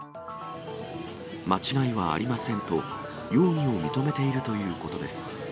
間違いはありませんと、容疑を認めているということです。